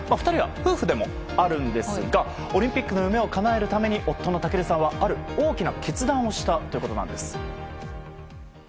２人は夫婦でもあるんですがオリンピックの夢をかなえるために夫の尊さんはある大きな決断をしたということなんです。